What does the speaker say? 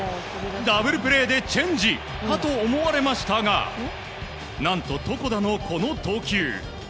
ダブルプレーでチェンジかと思われましたが何と、床田のこの投球。